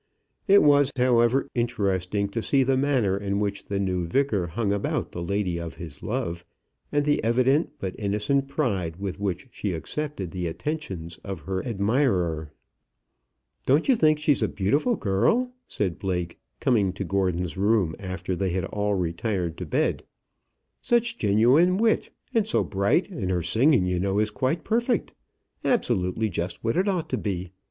It was, however, interesting to see the manner in which the new vicar hung about the lady of his love, and the evident but innocent pride with which she accepted the attentions of her admirer. "Don't you think she's a beautiful girl?" said Blake, coming to Gordon's room after they had all retired to bed; "such genuine wit, and so bright, and her singing, you know, is quite perfect, absolutely just what it ought to be.